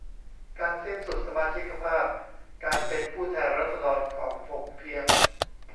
การสิ้นสุดสมาชิกภาพการเป็นผู้แทนราษฎรของผมเพียง